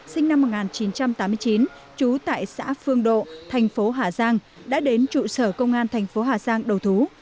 sinh năm một nghìn chín trăm tám mươi chín trú tại xã phương độ tp hà giang đã đến trụ sở công an tp hà giang đầu thú